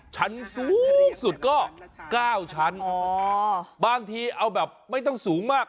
ชั้นสูงสุดก็๙ชั้นบางทีเอาแบบไม่ต้องสูงมาก